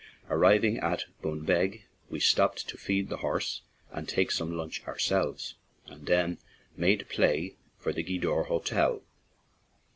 Arriving at Bunbeg, we stopped to feed the horse and take some lunch ourselves, and then "made play" for the Gweedore Hotel.